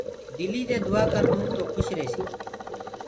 دلي دي دُآآ ڪردون تو کُش ريهسي